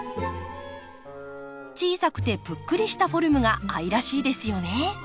小さくてぷっくりしたフォルムが愛らしいですよね。